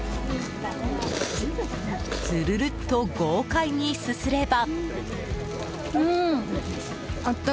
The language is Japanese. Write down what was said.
ずるるっと豪快にすすれば。